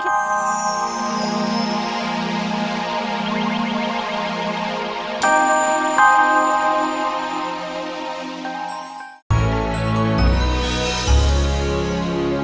sampai jumpa lagi